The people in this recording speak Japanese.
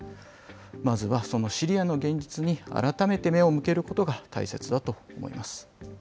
まずはそのシリアの現実に改めて目を向けることが大切だと思いま